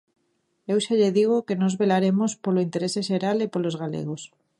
Eu xa lle digo que nós velaremos polo interese xeral e polos galegos.